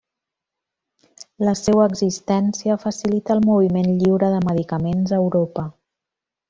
La seua existència facilita el moviment lliure de medicaments a Europa.